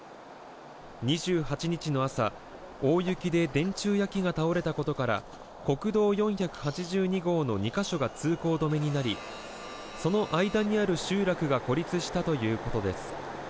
２８日の朝、大雪で電柱や木が倒れたことから、国道４８２号の２か所が通行止めになり、その間にある集落が孤立したということです。